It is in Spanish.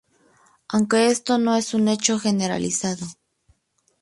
Aunque esto no es un hecho generalizado.